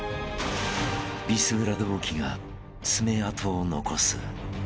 ［ビスブラ同期が爪痕を残す］